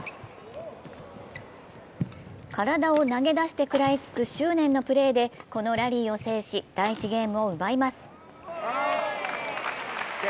体を投げ出して食らいつく執念のプレーでこのラリーを制し第１ゲームを奪います。